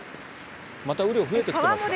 また雨量増えてきてますか。